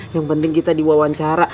yang penting kita di wawancara